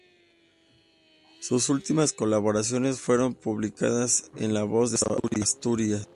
Sus últimas colaboraciones fueron publicadas en "La Voz de Asturias".